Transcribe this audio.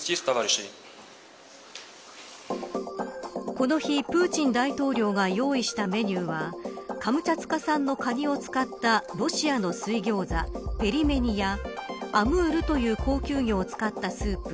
この日、プーチン大統領が用意したメニューはカムチャツカ産のカニを使ったロシアの水餃子ペリメニやアムールという高級魚を使ったスープ。